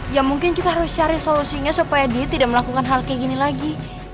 ya mungkin kita harus cari solusinya supaya dia tidak melakukan hal kayak gini lagi